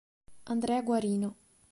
Andrea Guarino